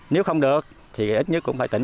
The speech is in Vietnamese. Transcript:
nếu không được thì ít nhất cũng phải tỉnh